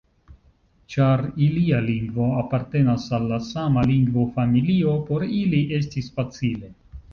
Ĉar ilia lingvo apartenas al la sama lingvofamilio, por ili estis facile.